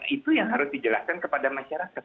itu yang harus dijelaskan kepada masyarakat